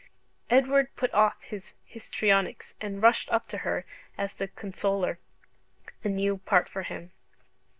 Edward put off his histrionics, and rushed up to her as the consoler a new part for him.